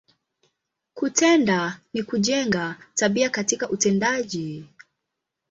Kutenda, ni kujenga, tabia katika utendaji.